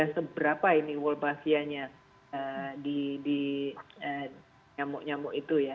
seberapa ini worlbavianya di nyamuk nyamuk itu ya